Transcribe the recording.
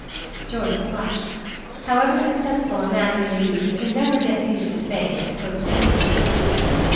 George blushed. However successful a man may be he can never get used to Fame at close range.